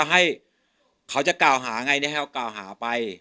ให้เขาจะกล่าวหาไงให้เขากล่าวหาไป